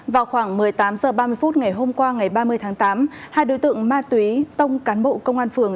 vào khoảng một mươi tám h ba mươi phút ngày hôm qua ngày ba mươi tháng tám hai đối tượng ma túy tông cán bộ công an phường